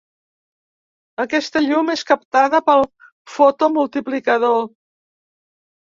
Aquesta llum és captada pel fotomultiplicador.